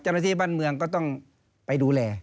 เจ้าหน้าที่บ้านเมืองก็ต้องไปดูแล